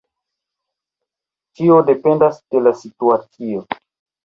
Tio dependas de la situacio.